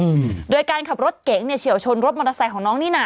อืมโดยการขับรถเก๋งเนี้ยเฉียวชนรถมอเตอร์ไซค์ของน้องนี่น่ะ